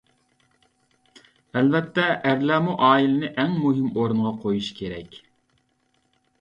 ئەلۋەتتە، ئەرلەرمۇ ئائىلىنى ئەڭ مۇھىم ئورۇنغا قويۇشى كېرەك.